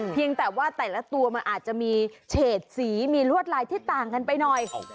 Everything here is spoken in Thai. เพียงแต่ว่าแต่ละตัวมันอาจจะมีเฉดสีมีลวดลายที่ต่างกันไปหน่อย